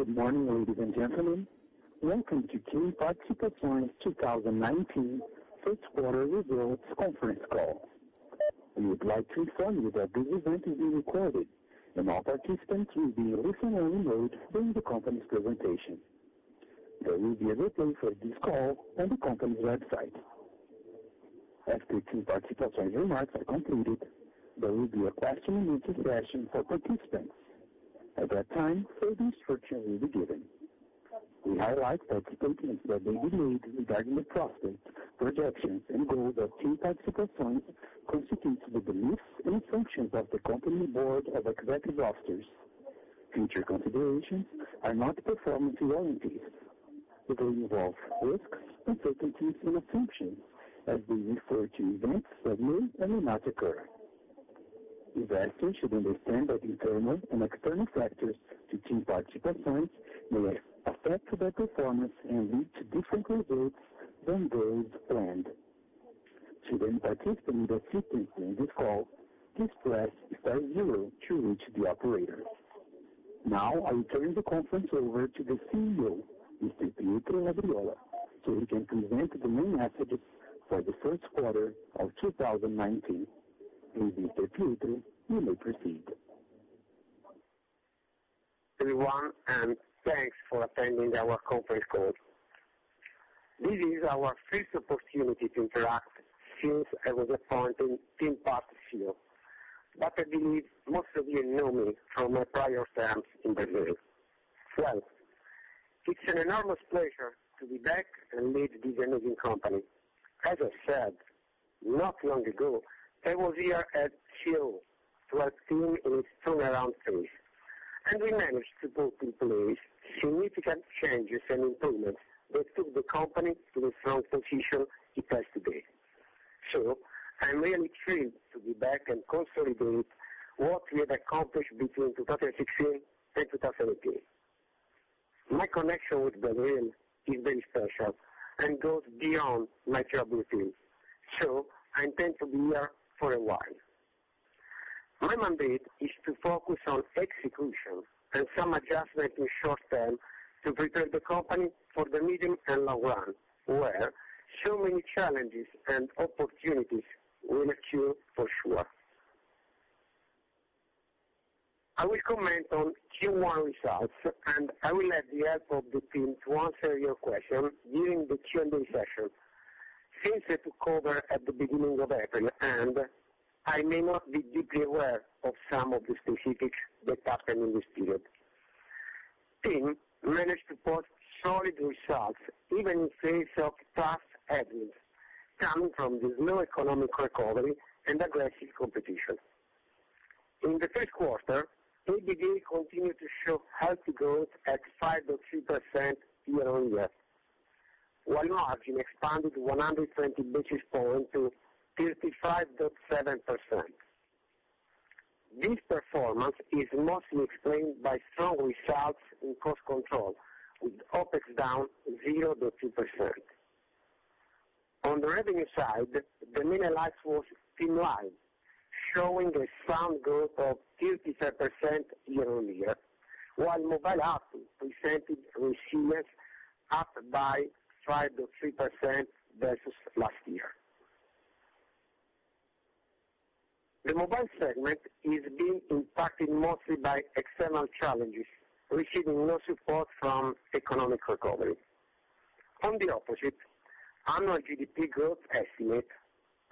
Good morning, ladies and gentlemen. Welcome to TIM Participações 2019 first quarter results conference call. We would like to inform you that this event is being recorded and all participants will be in listen-only mode during the company's presentation. There will be a replay for this call on the company's website. After TIM Participações remarks are completed, there will be a question and answer session for participants. At that time, further instruction will be given. We highlight participants that they will need regarding the prospects, projections and goals of TIM Participações constitutes the beliefs and assumptions of the company board as of today's rosters. Future considerations are not performance warranties. They will involve risks, uncertainties, and assumptions as we refer to events that may or may not occur. Investors should understand that internal and external factors to TIM Participações may affect their performance and lead to different results than those planned. To the participant that's listening to this call, please press star zero to reach the operator. Now I will turn the conference over to the CEO, Mr. Pietro Labriola, so he can present the main messages for the first quarter of 2019. Mr. Pietro, you may proceed. Everyone, thanks for attending our conference call. This is our first opportunity to interact since I was appointed TIM Participações, I believe most of you know me from my prior terms in Brazil. Well, it's an enormous pleasure to be back and lead this amazing company. As I said, not long ago, I was here at TIM to help TIM in its turnaround phase, we managed to put in place significant changes and improvements that took the company to the strong position it has today. I'm really thrilled to be back and consolidate what we have accomplished between 2016 and 2018. My connection with Brazil is very special and goes beyond my job with TIM, I intend to be here for a while. My mandate is to focus on execution, some adjustment in short term to prepare the company for the medium and long run, where so many challenges and opportunities will occur for sure. I will comment on Q1 results, I will have the help of the team to answer your questions during the Q&A session since I took over at the beginning of April, I may not be deeply aware of some of the specifics that happened in this period. TIM managed to post solid results, even in face of tough headwinds coming from the slow economic recovery and aggressive competition. In the first quarter, EBT continued to show healthy growth at 5.3% year-on-year, while margin expanded 120 basis points to 35.7%. This performance is mostly explained by strong results in cost control, with OpEx down 0.2%. On the revenue side, the main highlights was TIM Live, showing a sound growth of 35% year-over-year, while mobile ARPU presented resilience up by 5.3% year-over-year. The mobile segment is being impacted mostly by external challenges, receiving no support from economic recovery. On the opposite, annual GDP growth estimates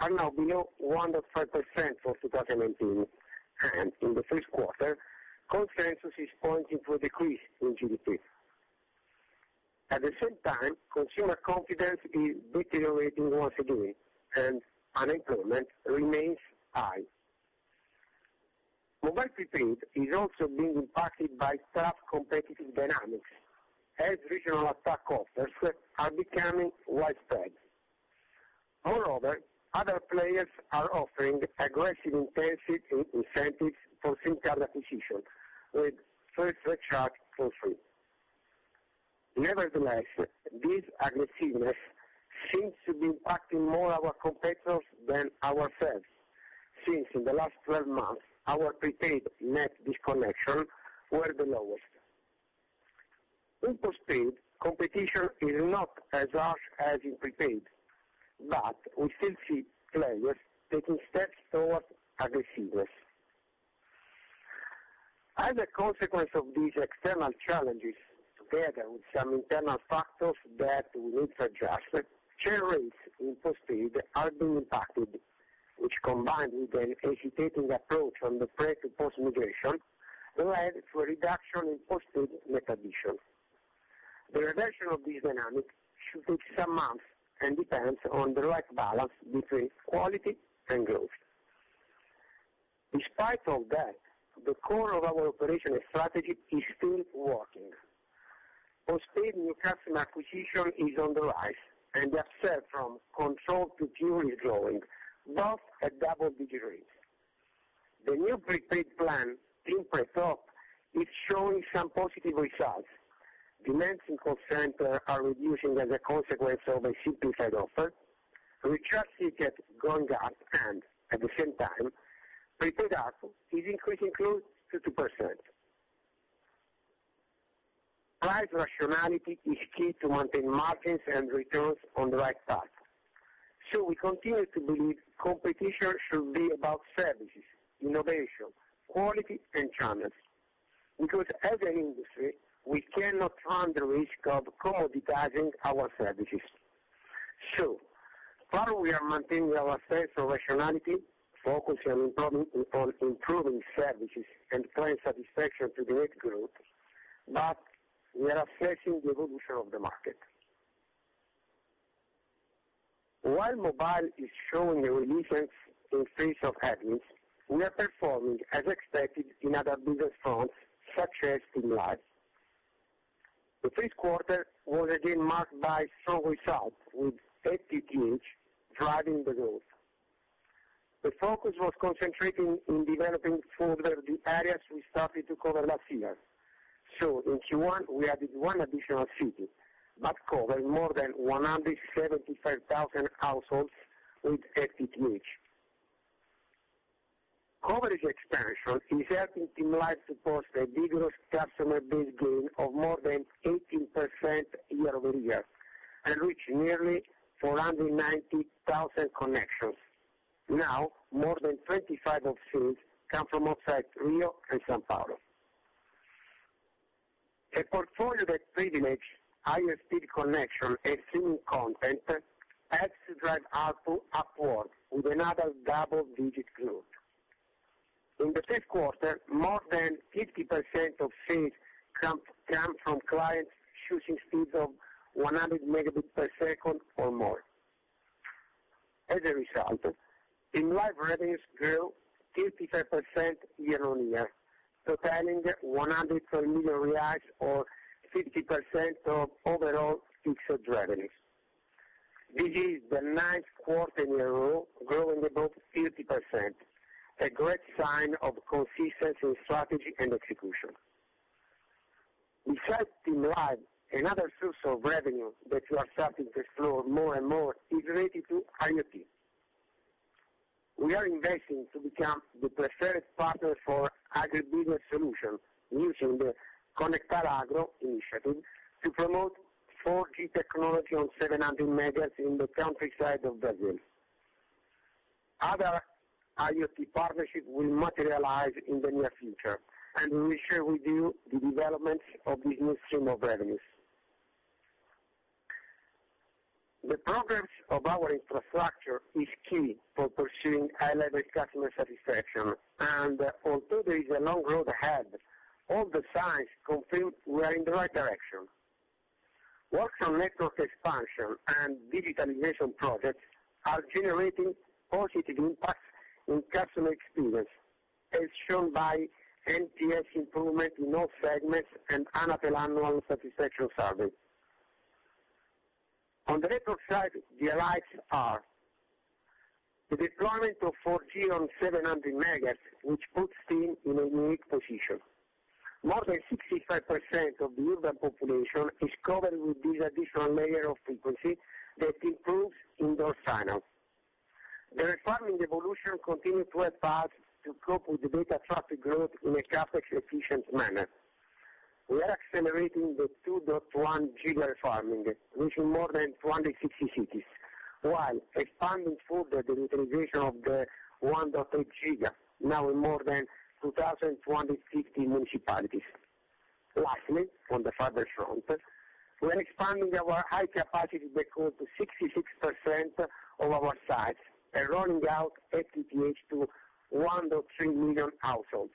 are now below 1.5% for 2019. In the first quarter, consensus is pointing to a decrease in GDP. At the same time, consumer confidence is deteriorating once again, and unemployment remains high. Mobile prepaid is also being impacted by tough competitive dynamics as regional attack offers are becoming widespread. Moreover, other players are offering aggressive intensive incentives for SIM card acquisition with first recharge for free. Nevertheless, this aggressiveness seems to be impacting more our competitors than ourselves since in the last 12 months, our prepaid net disconnection were the lowest. In postpaid, competition is not as harsh as in prepaid, we still see players taking steps towards aggressiveness. As a consequence of these external challenges, together with some internal factors that needs adjustment, churn rates in postpaid are being impacted, which combined with an hesitating approach on the prep to post migration led to a reduction in postpaid net addition. The reduction of this dynamic should take some months and depends on the right balance between quality and growth. Despite all that, the core of our operational strategy is still working. Postpaid new customer acquisition is on the rise and the ARPU from control to pure is growing both at double-digit rates. The new prepaid plan, TIM Pré TOP, is showing some positive results. Demands and concerns are reducing as a consequence of a shifting side offer. Recharge ticket going up, at the same time, prepaid ARPU is increasing growth to 2%. Price rationality is key to maintain margins and returns on the right path. We continue to believe competition should be about services, innovation, quality, and channels. As an industry, we cannot run the risk of commoditizing our services. So far, we are maintaining our sense of rationality, focusing on improving services and client satisfaction to generate growth, we are assessing the evolution of the market. While mobile is showing resilience in face of headwinds, we are performing as expected in other business fronts, such as TIM Live. The first quarter was again marked by strong results, with FTTH driving the growth. The focus was concentrating on developing further the areas we started to cover last year. In Q1, we added one additional city, covered more than 175,000 households with FTTH. Coverage expansion is helping TIM Live support a vigorous customer base gain of more than 18% year-over-year and reach nearly 490,000 connections. Now, more than 25% of sales come from outside Rio and São Paulo. A portfolio that privileged higher speed connection and streaming content helps drive ARPU upward with another double-digit growth. In the first quarter, more than 50% of sales come from clients choosing speeds of 100 megabits per second or more. As a result, TIM Live revenues grew 55% year-over-year, totaling 112 million reais or 50% of overall fixed revenues. This is the ninth quarter in a row growing above 50%, a great sign of consistency in strategy and execution. Besides TIM Live, another source of revenue that we are starting to explore more and more is related to IoT. We are investing to become the preferred partner for agribusiness solutions using the ConectarAGRO initiative to promote 4G technology on 700 MHz in the countryside of Brazil. Other IoT partnership will materialize in the near future, and we will share with you the developments of this new stream of revenues. The progress of our infrastructure is key for pursuing high-level customer satisfaction, and although there is a long road ahead, all the signs confirm we are in the right direction. Works on network expansion and digitalization projects are generating positive impacts in customer experience, as shown by NPS improvement in all segments and Anatel annual satisfaction survey. On the network side, the highlights are: the deployment of 4G on 700 MHz, which puts TIM in a unique position. More than 65% of the urban population is covered with this additional layer of frequency that improves indoor signal. The refarming evolution continue to help us to cope with the data traffic growth in a CapEx-efficient manner. We are accelerating the 2.1 GHz refarming, reaching more than 260 cities, while expanding further the utilization of the 1.8 GHz, now in more than 2,250 municipalities. Lastly, on the fiber front, we are expanding our high capacity backhaul to 66% of our sites and rolling out FTTH to 1.3 million households.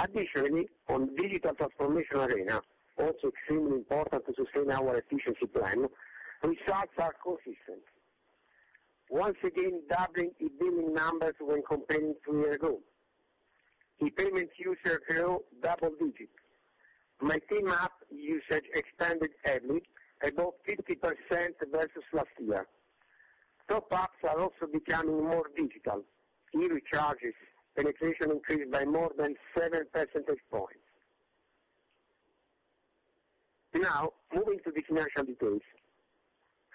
Additionally, on digital transformation arena, also extremely important to sustain our efficiency plan, results are consistent. Once again, doubling e-billing numbers when compared to a year ago. e-payment users grew double digits. MyTIM app usage expanded heavily, above 50% versus last year. Top apps are also becoming more digital. e-recharges penetration increased by more than seven percentage points.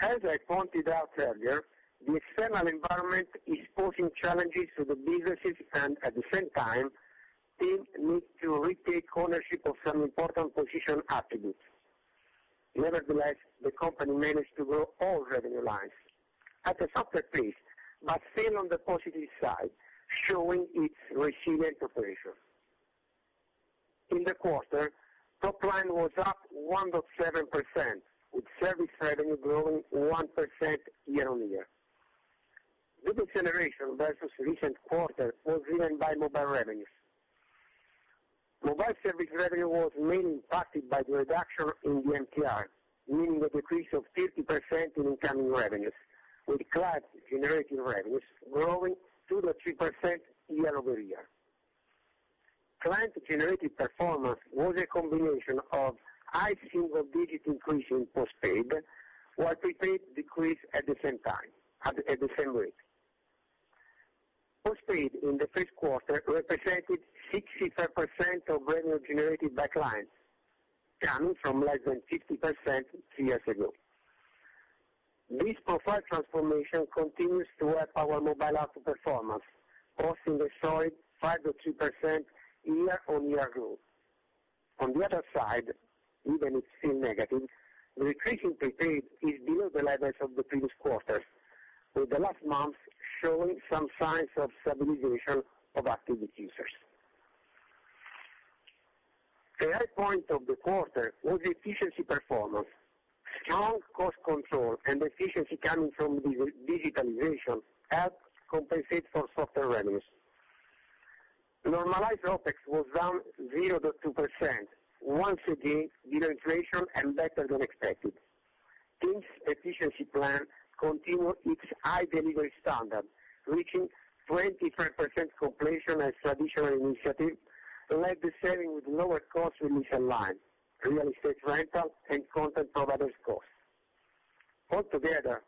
As I pointed out earlier, the external environment is posing challenges to the businesses and at the same time, TIM needs to retake ownership of some important position attributes. Nevertheless, the company managed to grow all revenue lines at a softer pace, but still on the positive side, showing its resilient operation. In the quarter, top line was up 1.7%, with service revenue growing 1% year-on-year. Revenue generation versus recent quarter was driven by mobile revenues. Mobile service revenue was mainly impacted by the reduction in the MTR, meaning a decrease of 50% in incoming revenues, with client-generated revenues growing 2.3% year-over-year. Client-generated performance was a combination of high single-digit increase in postpaid, while prepaid decreased at the same time, at the same rate. Postpaid in the first quarter represented 65% of revenue generated by clients, down from less than 50% two years ago. This profile transformation continues to help our mobile ARPU performance, posting a solid 5.2% year-on-year growth. On the other side, even if still negative, the decrease in prepaid is below the levels of the previous quarters, with the last month showing some signs of stabilization of active users. The high point of the quarter was efficiency performance. Strong cost control and efficiency coming from digitalization helped compensate for softer revenues. Normalized OpEx was down 0.2%, once again demonstrating and better than expected. TIM's efficiency plan continued its high delivery standard, reaching 25% completion as traditional initiatives led to savings with lower cost release aligned, real estate rental, and content providers costs. Altogether,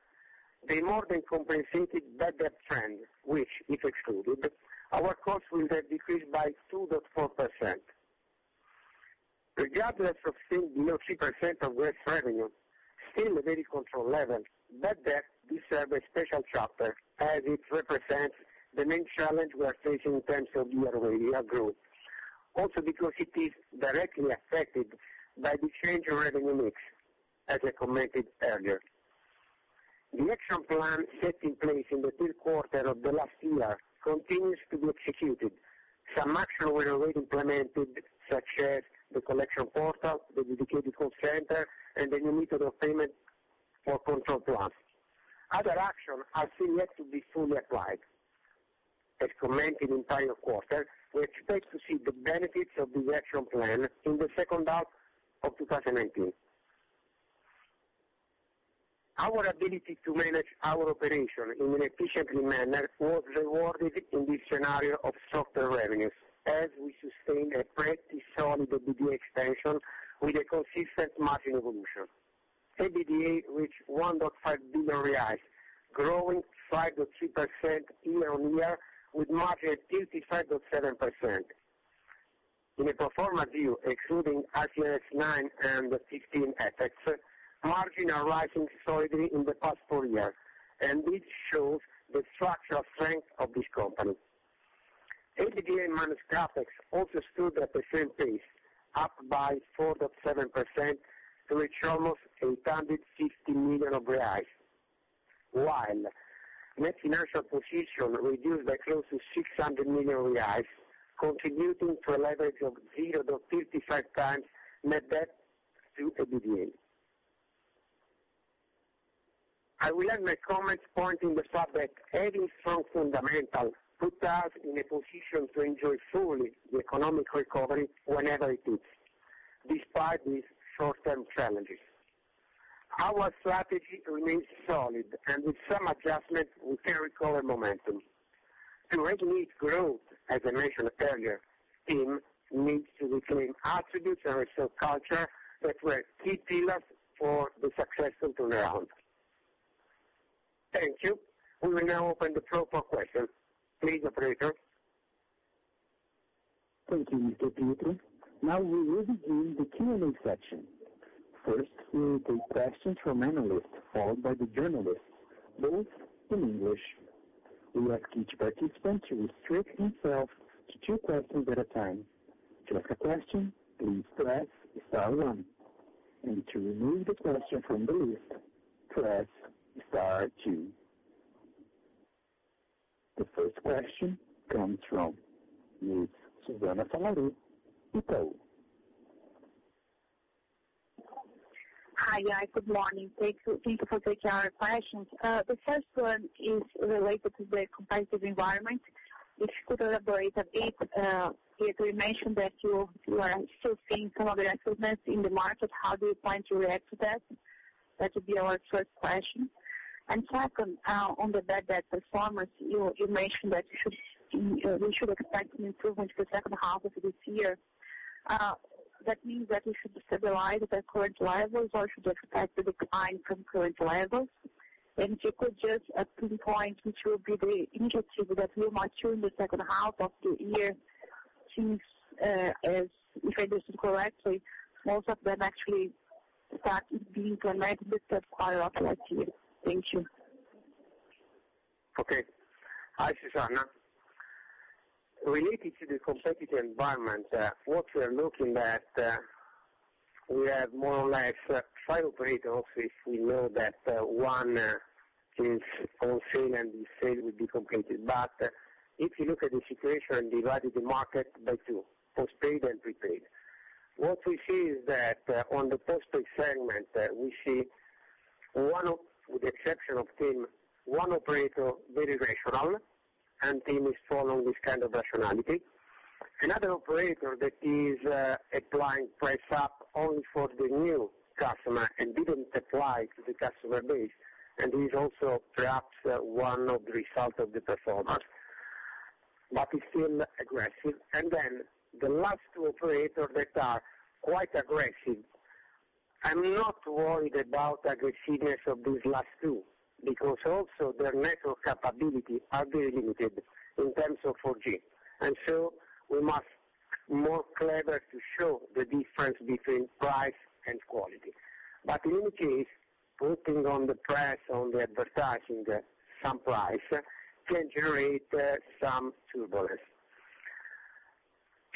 they more than compensated bad debt trend, which if excluded, our costs would have decreased by 2.4%. Regardless of seeing 0.3% of gross revenue, still a very controlled level, bad debt deserves a special chapter as it represents the main challenge we are facing in terms of year-over-year growth, also because it is directly affected by the change in revenue mix, as I commented earlier. The action plan set in place in the third quarter of the last year continues to be executed. Some actions were already implemented, such as the collection portal, the dedicated call center, and the new method of payment for Controle Plus. Other actions are still yet to be fully applied. As commented entire quarter, we expect to see the benefits of the action plan in the second half of 2019. Our ability to manage our operation in an efficiently manner was rewarded in this scenario of softer revenues as we sustained a pretty solid EBITDA expansion with a consistent margin evolution. EBITDA reached BRL 1.5 billion, growing 5.3% year-on-year, with margin at 35.7%. In a pro forma view, excluding ICMS nine and 15 FX, margin are rising solidly in the past four years, and this shows the structural strength of this company. EBITDA minus CapEx also stood at the same pace, up by 4.7% to reach almost 850 million reais. While net financial position reduced by close to 600 million reais, contributing to a leverage of 0.35 times net debt to EBITDA. I will end my comments pointing the fact that having strong fundamentals puts us in a position to enjoy fully the economic recovery whenever it hits, despite these short-term challenges. Our strategy remains solid and with some adjustment we can recover momentum. To regain growth, as I mentioned earlier, TIM needs to reclaim attributes and retail culture that were key pillars for the successful turnaround. Thank you. We will now open the floor for questions. Please, operator. Thank you, Mr. Pietro. Now we will begin the Q&A section. First, we will take questions from analysts, followed by the journalists, both in English. We ask each participant to restrict himself to two questions at a time. To ask a question, please press star one. To remove the question from the list, press star two. The first question comes from Ms. Susana Salaru, Itaú. Hi, guys. Good morning. Thank you for taking our questions. The first one is related to the competitive environment. If you could elaborate a bit, Pietro, you mentioned that you are still seeing some aggressiveness in the market. How do you plan to react to that? That would be our first question. Second, on the bad debt performance, you mentioned that we should expect an improvement for the second half of this year. That means that we should stabilize at current levels or should expect to decline from current levels? If you could just pinpoint which will be the initiative that will mature in the second half of the year, since, if I understood correctly, most of them actually started being implemented quite often last year. Thank you. Okay. Hi, Susana. Related to the competitive environment, what we're looking at, we have more or less five operators if we know that one is on sale and the sale will be completed. If you look at the situation, divide the market by 2, postpaid and prepaid. What we see is that on the postpaid segment, we see, with the exception of TIM, one operator very rational, and TIM is following this kind of rationality. Another operator that is applying price up only for the new customer and didn't apply to the customer base, and this is also perhaps one of the results of the performance. It's still aggressive. The last 2 operators that are quite aggressive. I'm not worried about aggressiveness of these last 2, because also their network capability are very limited in terms of 4G. We must be more clever to show the difference between price and quality. In any case, putting on the press, on the advertising some price can generate some turbulence.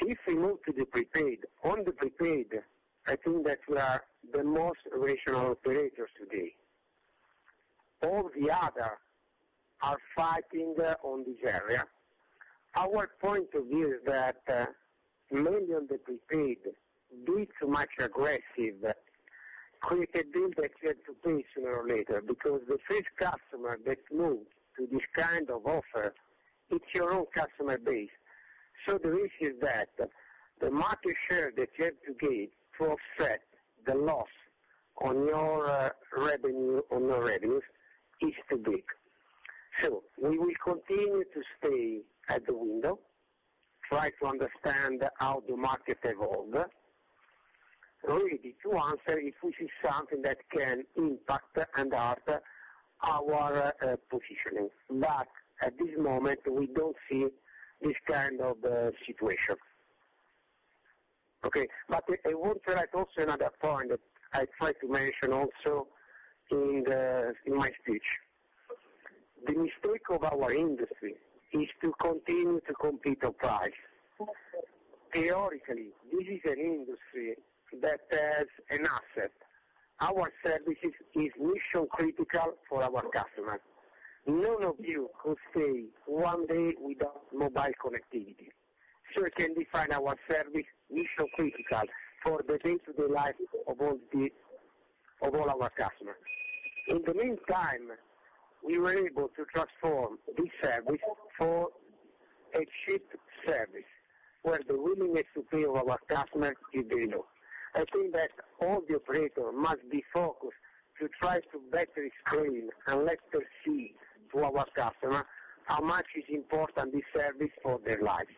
If we move to the prepaid, on the prepaid, I think that we are the most rational operators today. All the others are fighting on this area. Our point of view is that mainly on the prepaid, being too much aggressive, creates a bill that you have to pay sooner or later, because the first customer that moves to this kind of offer, it's your own customer base. The risk is that the market share that you have to gain to offset the loss on your revenue is too big. We will continue to stay at the window, try to understand how the market evolves. Ready to answer if we see something that can impact and hurt our positioning. At this moment, we don't see this kind of situation. Okay, I want to add also another point that I tried to mention also in my speech. The mistake of our industry is to continue to compete on price. Theoretically, this is an industry that has an asset. Our services is mission-critical for our customers. None of you could stay 1 day without mobile connectivity. We can define our service mission-critical for the day-to-day life of all our customers. In the meantime, we were able to transform this service for a cheap service, where the willingness to pay of our customers is below. I think that all the operators must be focused to try to better explain and let perceive to our customer how much is important this service for their lives.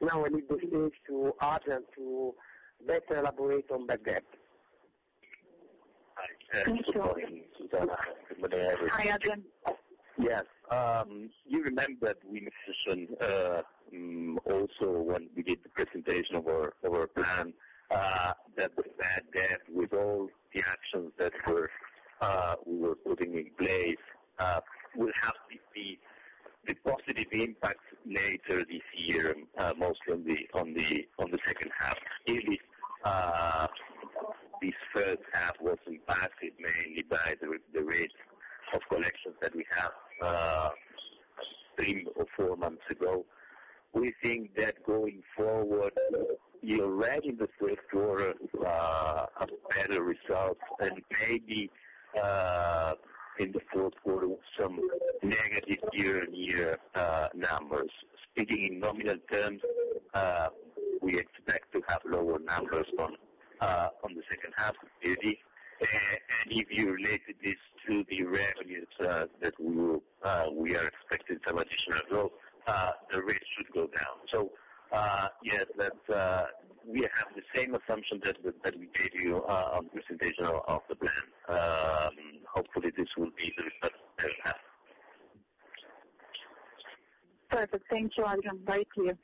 Now I leave the stage to Adrian to better elaborate on the debt. Thank you. Sorry, Susana. Hi, Adrian. Yes. You remember that we mentioned, also when we did the presentation of our plan, that the bad debt with all the actions that we were putting in place will have the positive impact later this year, mostly on the second half. Clearly, this first half was impacted mainly by the rate of collections that we have three or four months ago. We think that going forward, already the first quarter has better results and maybe in the fourth quarter, some negative year-on-year numbers. Speaking in nominal terms, we expect to have lower numbers on the second half, clearly. If you related this to the revenues that we are expecting some additional growth, the rates should go down. Yes, we have the same assumption that we gave you on presentation of the plan. Hopefully, this will be the best second half. Perfect. Thank you, Adrian. Back to you.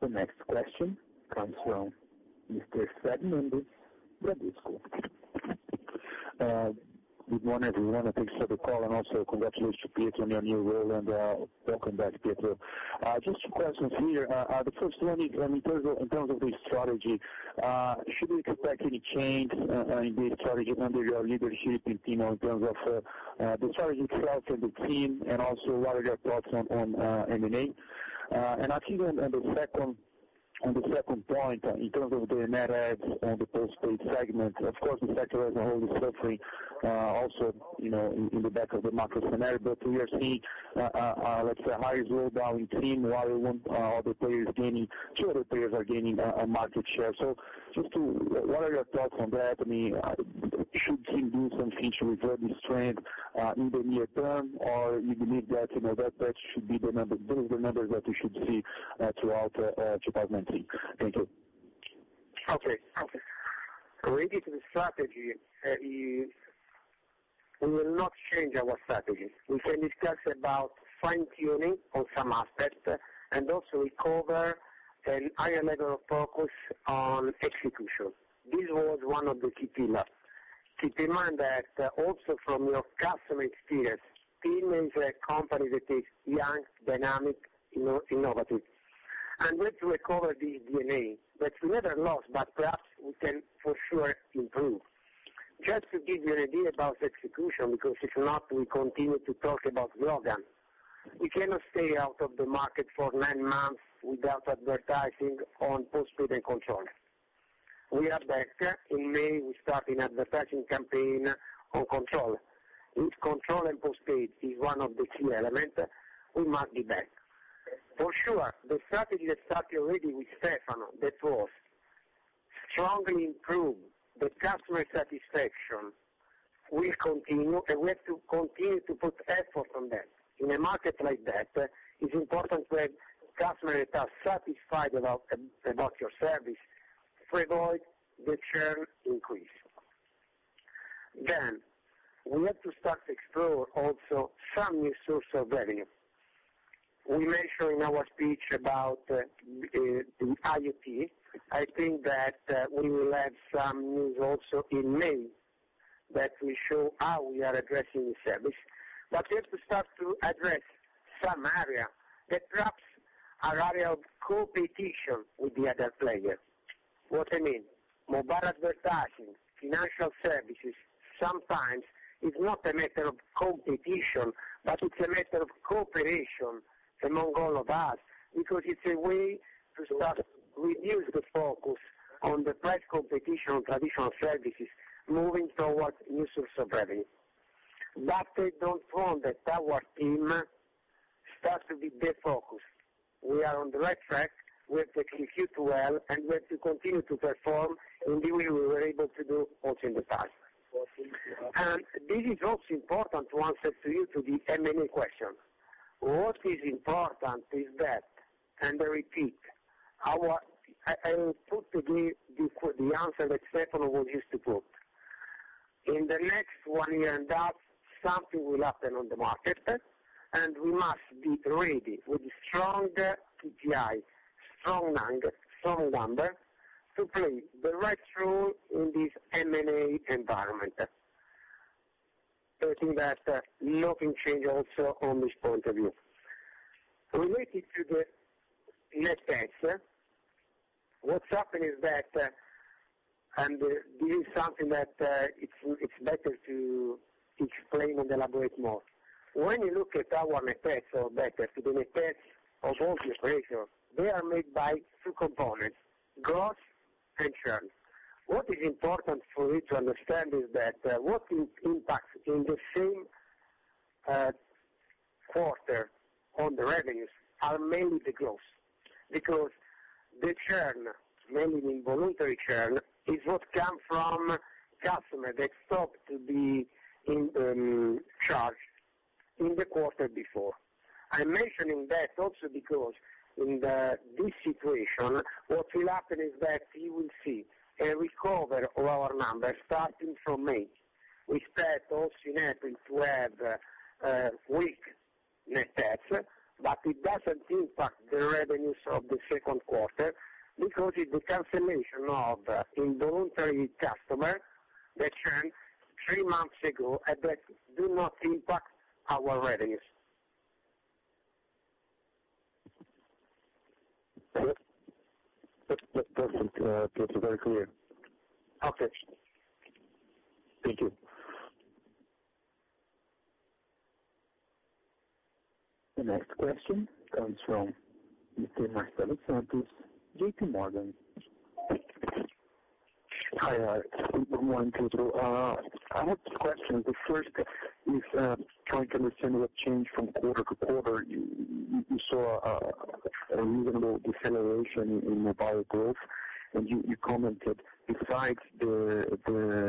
The next question comes from Mr. Fred Mendes, Bradesco. Good morning, everyone, and thanks for the call and also congratulations, Pietro, on your new role and welcome back, Pietro. Just two questions here. The first one in terms of the strategy, should we expect any change in the strategy under your leadership in terms of the strategy itself and the team and also what are your thoughts on M&A? Actually on the second point, in terms of the net adds on the postpaid segment, of course, the sector as a whole is suffering also in the back of the macro scenario. We are seeing, let's say, higher slowdown in TIM, while other players gaining-- two other players are gaining on market share. Just what are your thoughts on that? Should TIM do something to revert the trend in the near term, or you believe that those are the numbers that we should see throughout 2019? Thank you. Okay. Related to the strategy, we will not change our strategy. We can discuss about fine-tuning on some aspects and also recover a higher level of focus on execution. This was one of the key pillars. Keep in mind that also from your customer experience, TIM is a company that is young, dynamic, innovative, and we have to recover the DNA that we never lost, but perhaps we can for sure improve. Just to give you an idea about execution, because if not, we continue to talk about slogan. We cannot stay out of the market for nine months without advertising on postpaid and control. We are back. In May, we started an advertising campaign on control. If control and postpaid is one of the key elements, we must be back. For sure, the strategy that started already with Stefano, that was strongly improve the customer satisfaction. We have to continue to put effort on that. In a market like that, it's important that customers are satisfied about your service to avoid the churn increase. We have to start to explore also some new source of revenue. We mentioned in our speech about the IoT. I think that we will have some news also in May, that will show how we are addressing the service. We have to start to address some area that perhaps are area of co-opetition with the other players. What I mean, mobile advertising, financial services, sometimes is not a matter of competition, but it's a matter of cooperation among all of us, because it's a way to start reduce the focus on the price competition on traditional services, moving towards new source of revenue. I don't want that our team starts to be defocused. We are on the right track. We have to execute well, we have to continue to perform in the way we were able to do also in the past. This is also important to answer to you to the M&A question. What is important is that, and I repeat, I will put the answer that Stefano was used to put. In the next one year and half, something will happen on the market, and we must be ready with strong TTI, strong numbers, to play the right role in this M&A environment. I think that nothing change also on this point of view. Related to the net adds, what's happened is that, this is something that it's better to explain and elaborate more. When you look at our net adds or better to the net adds of all the operators, they are made by two components: growth and churn. What is important for you to understand is that what impacts in the same quarter on the revenues are mainly the growth. Because the churn, mainly the involuntary churn, is what come from customer that stopped to be charged in the quarter before. I'm mentioning that also because in this situation, what will happen is that you will see a recover of our numbers starting from May. We expect also in April to have a weak net adds, but it doesn't impact the revenues of the second quarter because it's the cancellation of involuntary customer, the churn three months ago and that do not impact our revenues. That doesn't. It's very clear. Okay. Thank you. The next question comes from Mr. Marcelo Santos, JPMorgan. Hi. Good morning to you. I have two questions. The first is trying to understand what changed from quarter to quarter. You saw a reasonable deceleration in mobile growth, and you commented besides the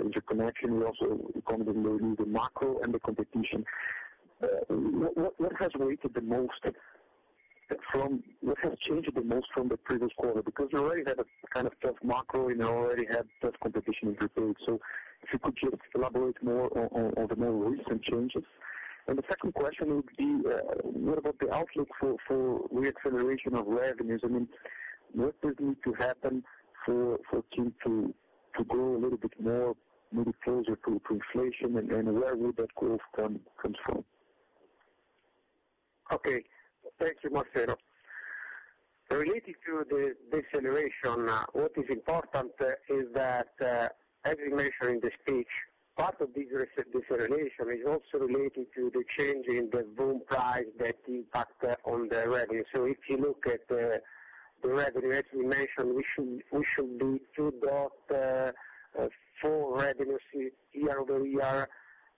interconnection, you also commented maybe the macro and the competition. What has changed the most from the previous quarter? Because you already had a kind of tough macro, and you already had tough competition in retail. If you could just elaborate more on the more recent changes. The second question would be, what about the outlook for re-acceleration of revenues? I mean, what does need to happen for TIM to go a little bit more, maybe closer to inflation, and where will that growth comes from? Okay. Thank you, Marcelo. Related to the deceleration, what is important is that, as we mentioned in the speech, part of this deceleration is also related to the change in the price that impact on the revenue. If you look at the revenue, as we mentioned, we should do 2.4% revenues year-over-year,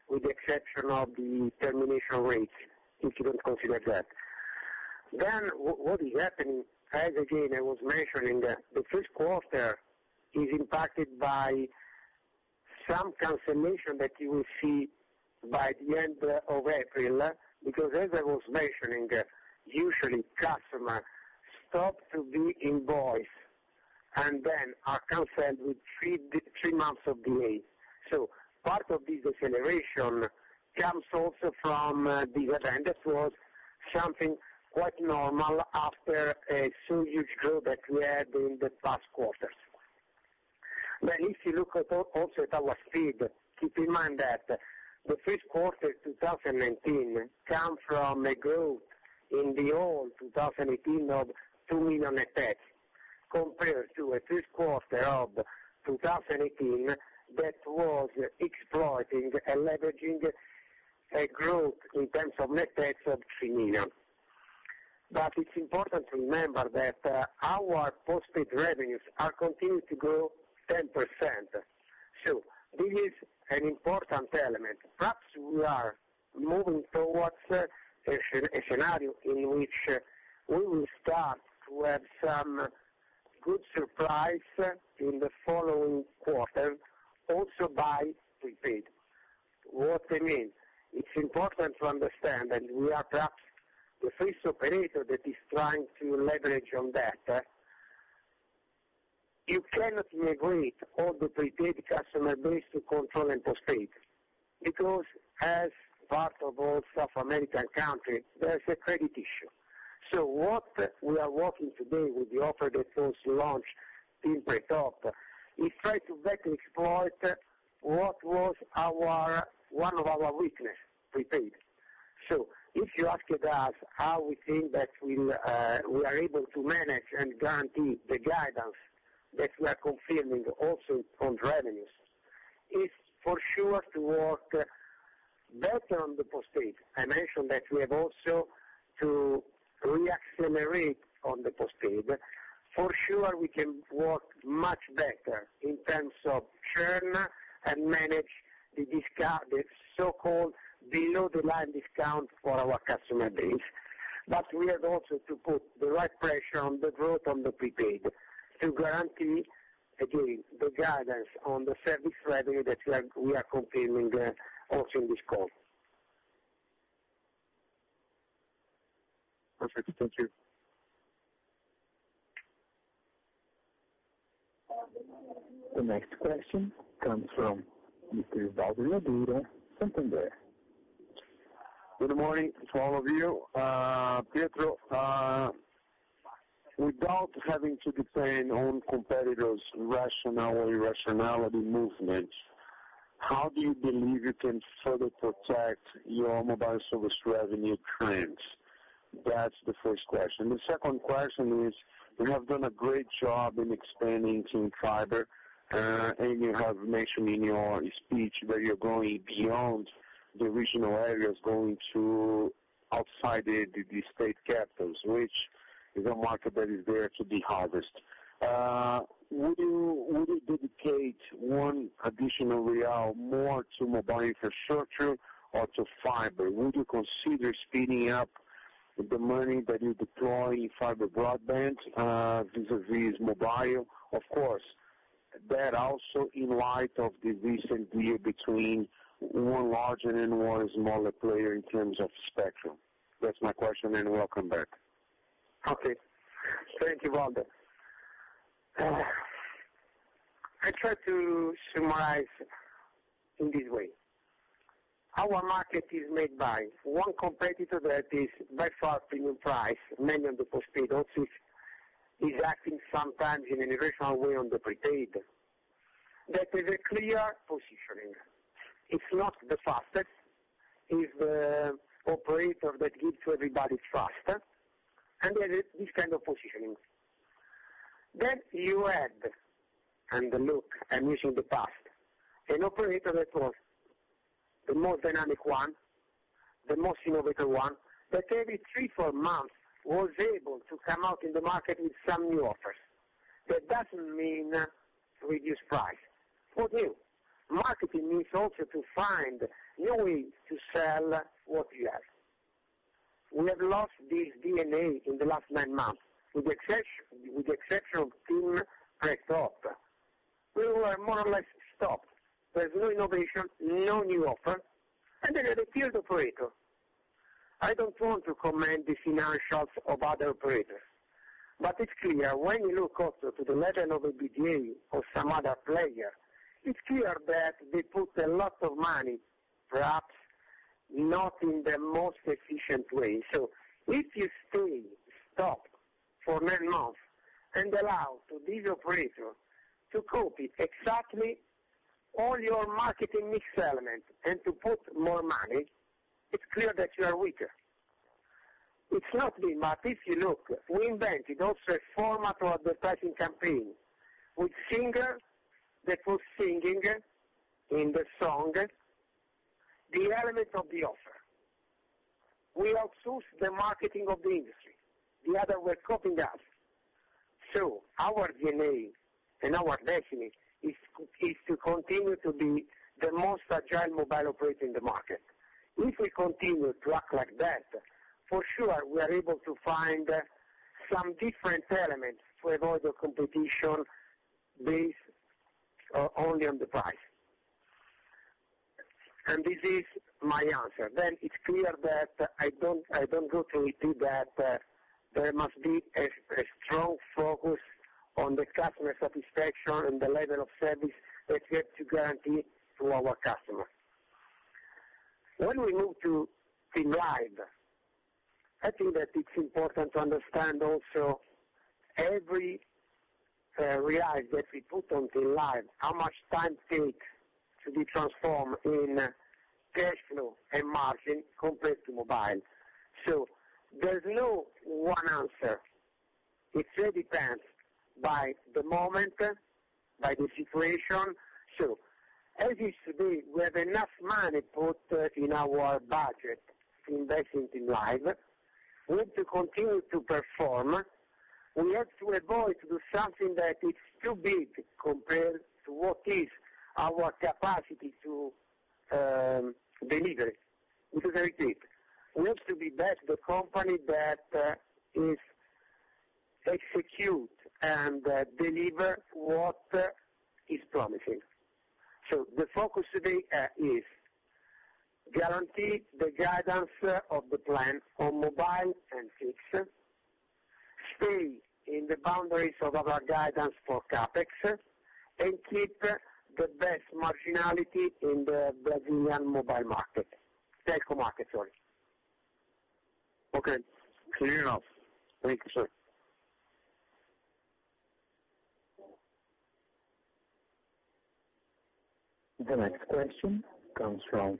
with the exception of the termination rates, if you don't consider that. What is happening, as again, I was mentioning, the first quarter is impacted by some cancellation that you will see by the end of April. Because as I was mentioning, usually customer stop to be invoiced and then are canceled with three months of delay. Part of this deceleration comes also from this event. That was something quite normal after a so huge growth that we had in the past quarters. If you look also at our speed, keep in mind that the first quarter 2019 come from a growth in the whole 2018 of 2 million effects, compared to a first quarter of 2018 that was exploiting and leveraging a growth in terms of net adds of 3 million. It's important to remember that our postpaid revenues are continuing to grow 10%. This is an important element. Perhaps we are moving towards a scenario in which we will start to have some good surprise in the following quarter also by prepaid. What I mean, it's important to understand, and we are perhaps the first operator that is trying to leverage on that. You cannot migrate all the prepaid customer base to control and postpaid, because as part of all South American country, there's a credit issue. What we are working today with the offer that was launched in TIM Pré TOP, we try to better exploit what was one of our weakness, prepaid. If you asked us how we think that we are able to manage and guarantee the guidance that we are confirming also on revenues, is for sure to work better on the postpaid. I mentioned that we have also to re-accelerate on the postpaid. For sure, we can work much better in terms of churn and manage the so-called below the line discount for our customer base. We have also to put the right pressure on the growth on the prepaid to guarantee, again, the guidance on the service revenue that we are confirming also in this call. Perfect. Thank you. The next question comes from Mr. Valder Nogueira, Santander. Good morning to all of you. Pietro, without having to depend on competitors' rationality movements, how do you believe you can further protect your mobile service revenue trends? That's the first question. The second question is, you have done a great job in expanding TIM Fiber, and you have mentioned in your speech that you're going beyond the regional areas, going to outside the state capitals, which is a market that is there to be harvest. Would you dedicate one additional BRL more to mobile infrastructure or to fiber? Would you consider speeding up the money that you deploy in fiber broadband vis-a-vis mobile? Of course, that also in light of the recent deal between one larger and one smaller player in terms of spectrum. That's my question, and welcome back. Okay. Thank you, Valter. I try to summarize in this way. Our market is made by one competitor that is by far premium price, mainly on the postpaid, also is acting sometimes in an irrational way on the prepaid. That is a clear positioning. It's not the fastest, is the operator that gives everybody trust, and this kind of positioning. You add, and look, I'm using the past, an operator that was the most dynamic one, the most innovative one, that every three, four months was able to come out in the market with some new offers. That doesn't mean reduced price. What new? Marketing means also to find new ways to sell what you have. We have lost this DNA in the last nine months, with the exception of TIM Pré TOP. We were more or less stopped. There's no innovation, no new offer. There is a third operator. I don't want to comment the financials of other operators. It's clear when you look also to the level of EBITDA of some other player, it's clear that they put a lot of money, perhaps not in the most efficient way. If you stay stopped for nine months and allow to this operator to copy exactly all your marketing mix element and to put more money, it's clear that you are weaker. It's not me, but if you look, we invented also a format of advertising campaign with singer that was singing in the song, the element of the offer. We outsourced the marketing of the industry. The other were copying us. Our DNA and our destiny is to continue to be the most agile mobile operator in the market. If we continue to act like that, for sure, we are able to find some different elements to avoid the competition based only on the price. This is my answer. It's clear that I don't go to a deal that there must be a strong focus on the customer satisfaction and the level of service that we have to guarantee to our customers. When we move to TIM Live, I think that it's important to understand also every real that we put on TIM Live, how much time take to be transformed in cash flow and margin compared to mobile. There's no one answer. It really depends by the moment, by the situation. As is today, we have enough money put in our budget, investing in TIM Live. We need to continue to perform. We have to avoid to do something that is too big compared to what is our capacity to deliver. It is very clear. We have to be back the company that is execute and deliver what is promising. The focus today is guarantee the guidance of the plan on mobile and fixed, stay in the boundaries of our guidance for CapEx, and keep the best marginality in the Brazilian mobile market. Telco market, sorry. Okay, clear enough. Thank you, sir. The next question comes from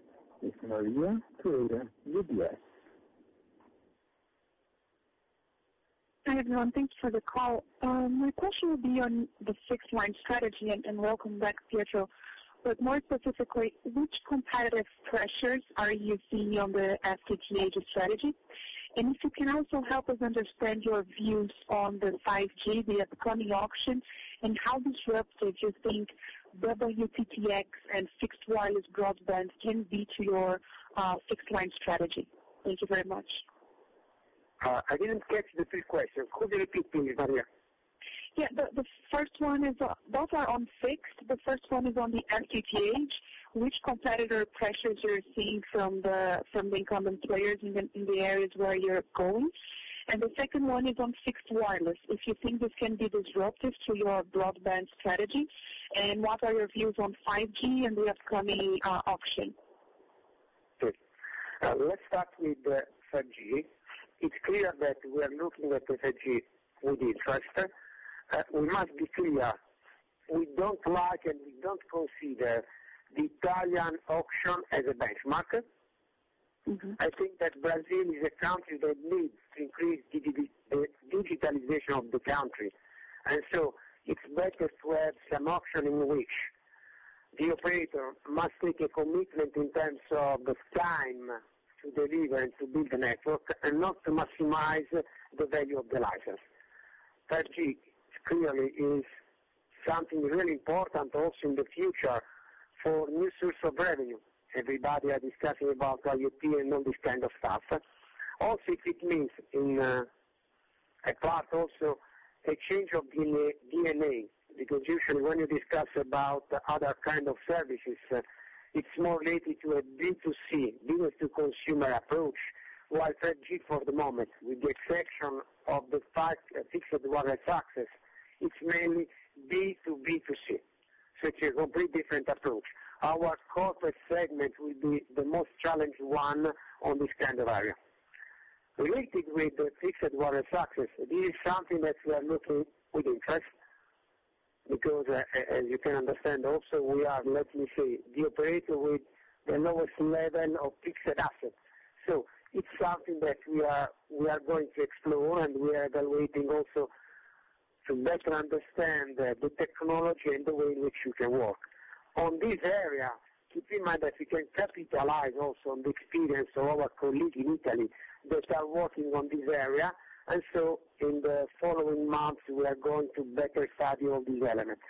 Maria Tereza Azevedo, UBS. Hi, everyone. Thank you for the call. My question will be on the fixed line strategy and welcome back, Pietro. More specifically, which competitive pressures are you seeing on the FTTH strategy? If you can also help us understand your views on the 5G, the upcoming auction, and how disruptive you think WTTx and fixed wireless broadband can be to your fixed line strategy. Thank you very much. I didn't catch the three questions. Could you repeat please, Maria? Yeah, both are on fixed. The first one is on the FTTH, which competitor pressures you're seeing from the incumbent players in the areas where you're going. The second one is on fixed wireless, if you think this can be disruptive to your broadband strategy. What are your views on 5G and the upcoming auction? Good. Let's start with 5G. It's clear that we are looking at 5G with interest. We must be clear, we don't like and we don't consider the Italian auction as a benchmark. I think that Brazil is a country that needs to increase digitalization of the country. It's better to have some auction in which the operator must take a commitment in terms of time to deliver and to build the network and not to maximize the value of the license. 5G clearly is something really important also in the future for new source of revenue. Everybody are discussing about IoT and all this kind of stuff. Also, it means in a part also a change of DNA, because usually when you discuss about other kind of services, it's more related to a B2C, business to consumer approach, while 5G for the moment, with the exception of the fixed wireless access, it's mainly B2B2C, such a complete different approach. Our corporate segment will be the most challenged one on this kind of area. Related with the fixed wireless access, this is something that we are looking with interest because, as you can understand also, we are, let me say, the operator with the lowest level of fixed assets. It's something that we are going to explore, and we are evaluating also to better understand the technology and the way in which you can work. On this area, keep in mind that we can capitalize also on the experience of our colleague in Italy that are working on this area. In the following months, we are going to better study all these elements.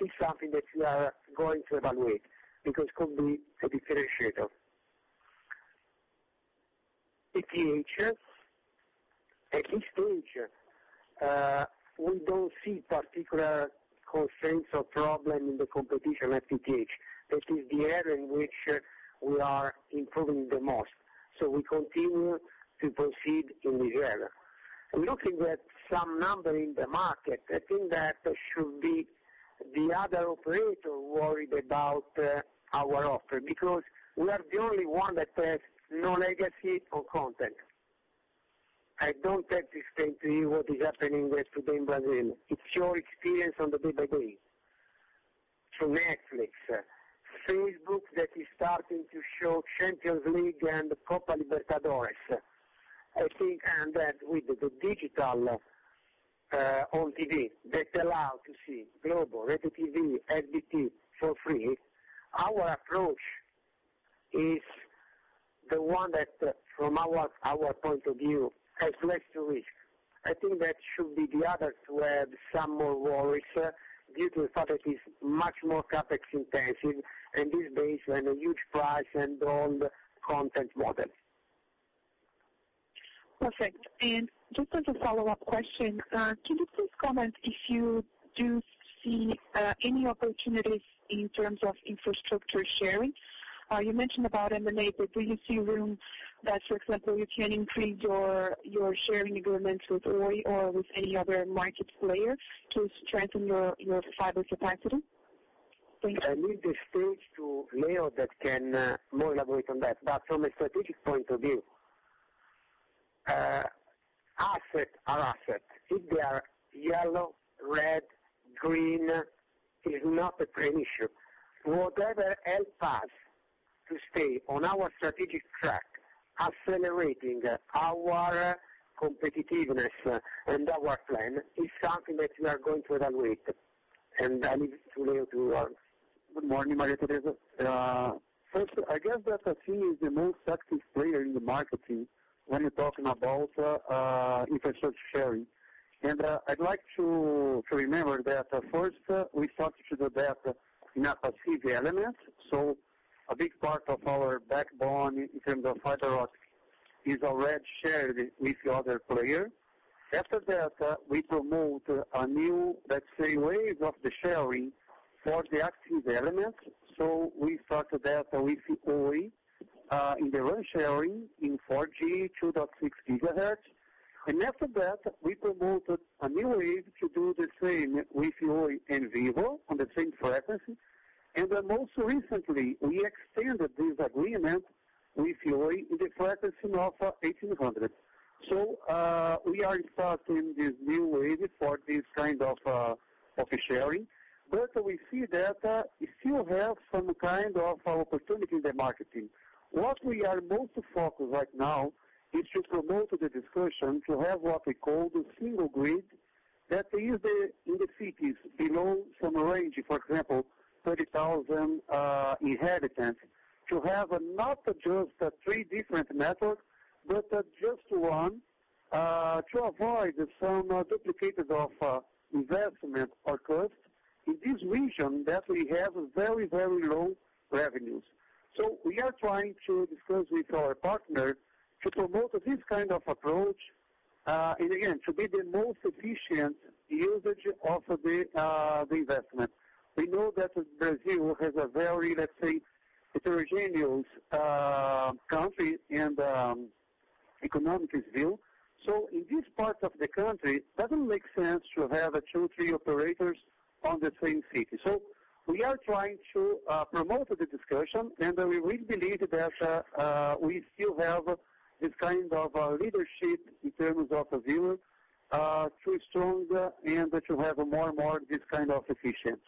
It's something that we are going to evaluate because could be a differentiator. FTTH, at this stage, we don't see particular concerns or problem in the competition at FTTH. That is the area in which we are improving the most. We continue to proceed in this area. Looking at some number in the market, I think that should be the other operator worried about our offer, because we are the only one that has no legacy on content. I don't have to explain to you what is happening today in Brazil. It's your experience on the day by day. Netflix, Facebook that is starting to show Champions League and the Copa Libertadores, I think and that with the digital on TV that allow to see Globo, RedeTV!, SBT for free, our approach is the one that from our point of view has less risk. I think that should be the others who have some more worries due to the fact that is much more CapEx intensive and is based on a huge price and on content model. Perfect. Just as a follow-up question, can you please comment if you do see any opportunities in terms of infrastructure sharing? You mentioned about M&A, but do you see room that, for example, you can increase your sharing agreements with Oi or with any other market player to strengthen your fiber capacity? Thank you. I leave the stage to Leo that can more elaborate on that. From a strategic point of view, asset are asset. If they are yellow, red, green, is not a prime issue. Whatever help us to stay on our strategic track, accelerating our competitiveness and our plan is something that we are going to evaluate, and I leave it to Leo to answer. Good morning, Maria Tereza. First, I guess that TIM is the most active player in the market when you're talking about infrastructure sharing. I'd like to remember that first, we started to do that in a passive element. A big part of our backbone in terms of fiber optics is already shared with the other players. After that, we promote a new, let's say, wave of the sharing for the active elements. We started that with Oi, in the RAN sharing in 4G, 2.6 GHz. After that, we promoted a new wave to do the same with Oi and Vivo on the same frequency. Most recently, we extended this agreement with Oi in the frequency of 1800. We are starting this new wave for this kind of sharing, but we see that we still have some kind of opportunity in the market. What we are most focused right now is to promote the discussion to have what we call the single grid, that is in the cities below some range, for example, 30,000 inhabitants, to have not just the three different methods, but just one, to avoid some duplications of investment or cost in this region that we have very low revenues. We are trying to discuss with our partner to promote this kind of approach, and again, to be the most efficient usage of the investment. We know that Brazil has a very heterogeneous country in the economics view. In this part of the country, it doesn't make sense to have two, three operators in the same city. We are trying to promote the discussion, and we really believe that we still have this kind of leadership in terms of viewers to be stronger and to have more of this kind of efficiency.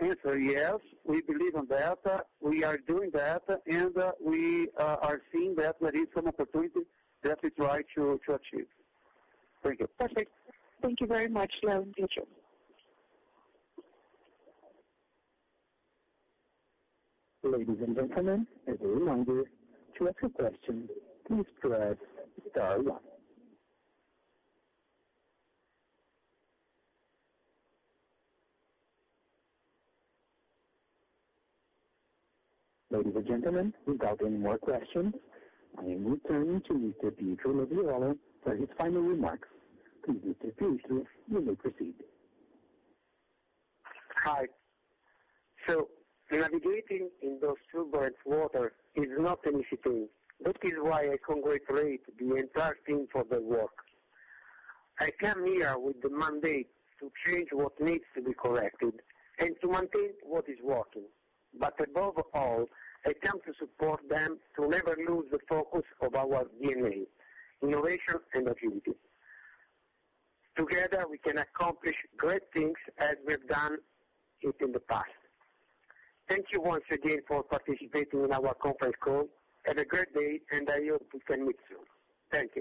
Answer, yes, we believe in that. We are doing that, and we are seeing that there is some opportunity that we try to achieve. Thank you. Perfect. Thank you very much, Leo and Pietro. Ladies and gentlemen, as a reminder, to ask a question, please press star one. Ladies and gentlemen, without any more questions, I will turn to Mr. Pietro Labriola for his final remarks. Please, Mr. Pietro, you may proceed. Hi. Navigating in those turbulent waters is not an easy thing. That is why I congratulate the entire team for their work. I come here with the mandate to change what needs to be corrected and to maintain what is working. Above all, I come to support them to never lose the focus of our DNA, innovation, and agility. Together, we can accomplish great things as we've done it in the past. Thank you once again for participating in our conference call. Have a great day, and I hope we can meet soon. Thank you.